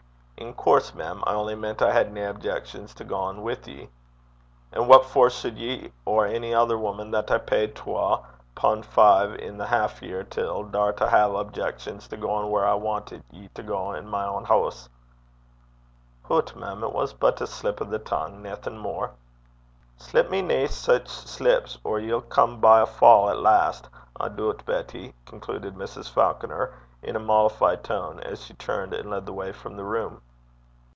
'In coorse, mem. I only meant I had nae objections to gang wi' ye.' 'And what for suld you or ony ither woman that I paid twa pun' five i' the half year till, daur to hae objections to gaein' whaur I wantit ye to gang i' my ain hoose?' 'Hoot, mem! it was but a slip o' the tongue naething mair.' 'Slip me nae sic slips, or ye'll come by a fa' at last, I doobt, Betty,' concluded Mrs. Falconer, in a mollified tone, as she turned and led the way from the room.